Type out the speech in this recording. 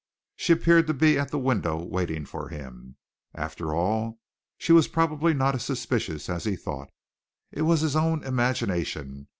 She appeared to be at the window waiting for him. After all, she was probably not as suspicious as he thought. It was his own imagination.